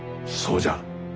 そうじゃ。